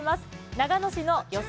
長野市の予想